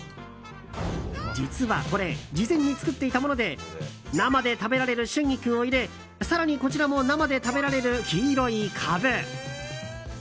実はこれ事前に作っていたもので生で食べられる春菊を入れ更にこちらも生で食べられる黄色いカブ。